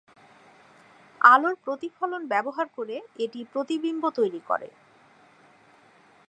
আলোর প্রতিফলন ব্যবহার করে এটি প্রতিবিম্ব তৈরি করে।